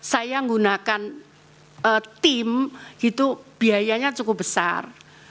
saya menggunakan tim itu biayanya cukup besar